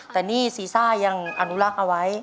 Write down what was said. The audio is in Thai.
แต่นี่ซีซ่ายังอนุรักษ์เอาไว้